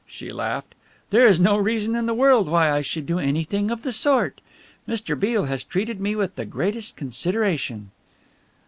she laughed. "There is no reason in the world why I should do anything of the sort. Mr. Beale has treated me with the greatest consideration."